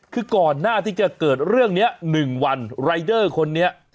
คือก่อนหน้าที่จะเกิดเรื่องนี้๑วันรายเดอร์คนนี้